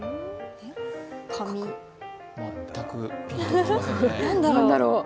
全くピンときませんね。